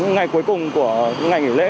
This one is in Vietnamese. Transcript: ngày cuối cùng của ngày nghỉ lễ